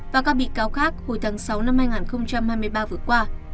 và các bị cáo khác hồi tháng sáu năm hai nghìn hai mươi ba vừa qua